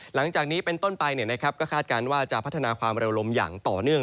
หลังจากนี้เป็นต้นไปก็คาดการณ์ว่าจะพัฒนาความเร็วลมอย่างต่อเนื่อง